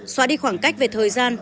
xóa đi khoảng cách về thời gian